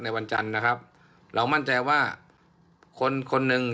วันจันทร์นะครับเรามั่นใจว่าคนคนหนึ่ง